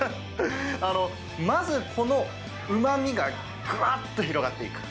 まず、このうまみがぐわっと広がっていく。